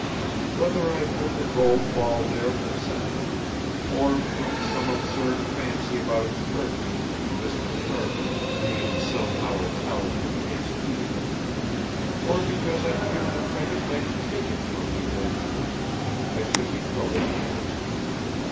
Whether I put the gold ball there from sentiment, or from some absurd fancy about its perfume and mystic carving being somehow a talisman against evil, or because I feared the trinket might be taken from me during the night, I should be troubled to answer.